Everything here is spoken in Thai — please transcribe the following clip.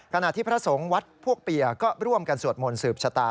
ขณะที่พระสงฆ์วัดพวกเปียก็ร่วมกันสวดมนต์สืบชะตา